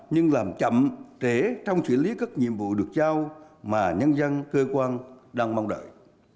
nhưng làm chậm trễ trong xử lý các nhiệm vụ được giao mà nhân dân cơ quan đang mong đợi